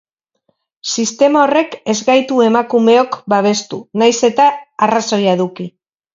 Sistema horrek ez gaitu emakumeok babestu, nahiz eta arrazoia eduki.